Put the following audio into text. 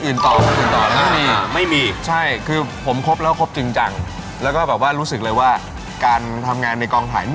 แล้วเห็นบอกตั้งแต่เรื่องนั้นมาคุณไม่ให้คุณน้ำหวานเล่นละครอีกเลยอ่ะ